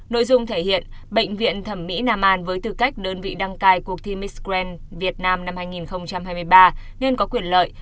nội dung thể hiện bệnh viện thẩm mỹ nam an với tư cách đơn vị đăng cai cuộc thi miscren việt nam năm hai nghìn hai mươi ba nên có quyền lợi